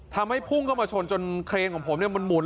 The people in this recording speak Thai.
ทำให้ฟุ่งเข้ามาชนจนเครนของผมมุ่น